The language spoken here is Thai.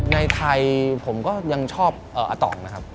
ในไทยผมก็ยังชอบอาตองนะครับ